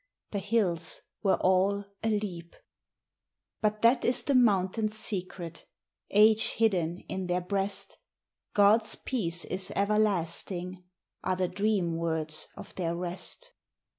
The hills were all a leap! But that is the mountains' secret, Age hidden in their breast; "God's peace is everlasting," Are the dream words of their rest.